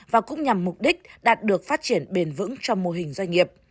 và cũng nhằm mục đích đạt được phát triển bền vững trong mô hình doanh nghiệp